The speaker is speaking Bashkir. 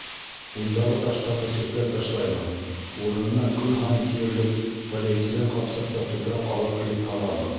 Ундағы таштарҙы сүпләп ташлайбыҙ, урынына көн һайын тиерлек полиэтилен ҡапсыҡта тупраҡ алып килеп һалабыҙ.